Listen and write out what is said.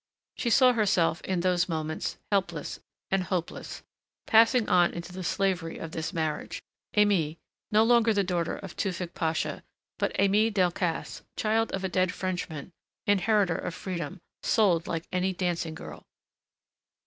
She saw herself, in those moments, helpless, and hopeless, passing on into the slavery of this marriage Aimée, no longer the daughter of Tewfick Pasha, but Aimée Delcassé, child of a dead Frenchman, inheritor of freedom, sold like any dancing girl....